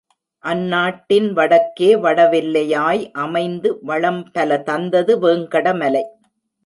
அந்நாட்டின் வடக்கே வடவெல்லை யாய் அமைந்து வளம் பல தந்தது வேங்கடமலை.